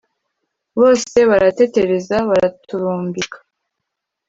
bose baratetereza baraturumbika